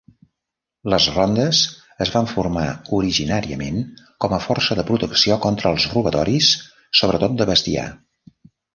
Les rondes es van formar originàriament com a força de protecció contra els robatoris, sobretot de bestiar.